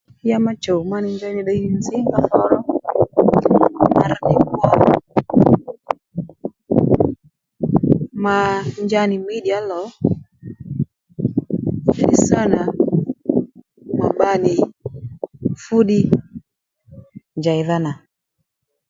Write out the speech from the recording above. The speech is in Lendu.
Ya ma chùw ma nì njěy nì ddiy nì nzǐ nga thǒ ro mara tdè bbò mà nja nì mídìya ó lò njà ddí sǎ nà mà bba nì fú ddiy njèydha nà